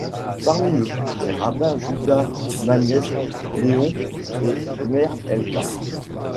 Parmi eux, les rabbins Judah Magnes Leon et Meir Elk.